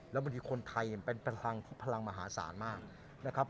แล้วบางทีคนไทยเป็นพลังที่พลังมหาศาลมากนะครับ